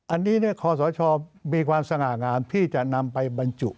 อันนี้คอสชมีความสง่างามที่จะนำไปบรรจุ